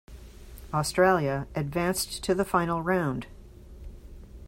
"Australia" advanced to the Final Round.